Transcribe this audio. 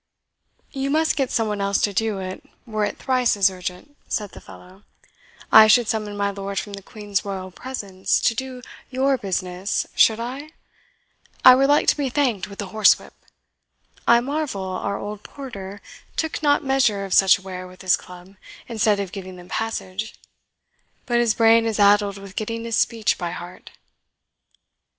"You must get some one else to do it, were it thrice as urgent," said the fellow. "I should summon my lord from the Queen's royal presence to do YOUR business, should I? I were like to be thanked with a horse whip. I marvel our old porter took not measure of such ware with his club, instead of giving them passage; but his brain is addled with getting his speech by heart."